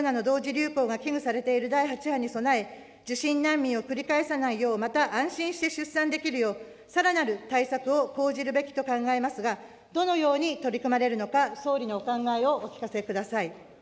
流行が危惧されている第８波に備え、受診難民を繰り返さないよう、また安心して出産できるよう、さらなる対策を講じるべきと考えますが、どのように取り組まれるのか、総理のお考えをお聞かせください。